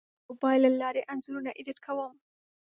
زه د موبایل له لارې انځورونه ایډیټ کوم.